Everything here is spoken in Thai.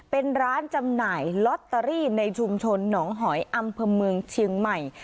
เป็นร้านจำหน่ายลอตเตอรี่ในชุมชนหนองหอยอำเภอเมืองเชียงใหม่